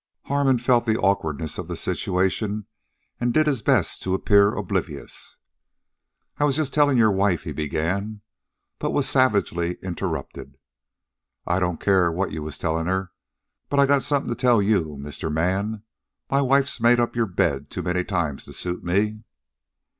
Harmon felt the awkwardness of the situation, and did his best to appear oblivious. "I was just telling your wife " he began, but was savagely interrupted. "I don't care what you was tellin' her. But I got something to tell you, Mister Man. My wife's made up your bed too many times to suit me."